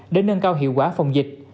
để nâng cao hiệu quả phòng dịch